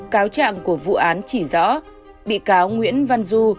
cáo trạng của vụ án chỉ rõ bị cáo nguyễn văn du